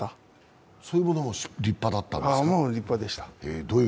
そういうものも立派だったんですね。